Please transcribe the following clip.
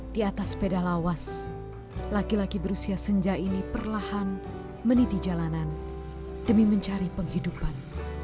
di atas sepeda lawas laki laki berusia senja ini perlahan meniti jalanan demi mencari penghidupan